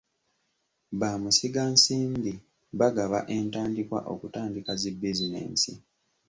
Ba musigansimbi bagaba entandikwa okutandika zi bizinensi.